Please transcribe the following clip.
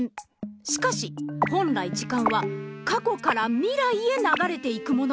しかし本来時間はかこからみらいへながれていくもの。